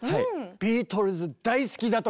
ビートルズ大好きだとか。